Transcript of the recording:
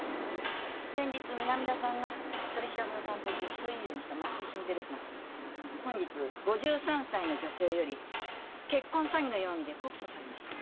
先日南田さんが取り調べを担当して起訴猶予にした増井新平ですが本日５３歳の女性より結婚詐欺の容疑で告訴されました。